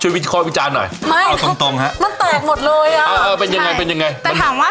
ช่วยพี่ขอวิจารณ์หน่อยเอาตรงตรงครับมันแตกหมดเลยอ่ะ